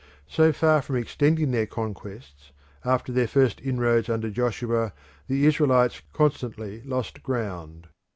So far from extending their conquests, after their first inroad under Joshua the Israelites constantly lost ground.